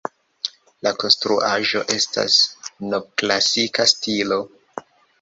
La konstruaĵo estas novklasika stilo.